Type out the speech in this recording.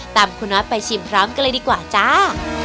ตามคุณนอทไปชิมพร้อมกันเลยดีกว่าจ้า